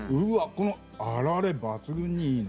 このあられ抜群にいいな。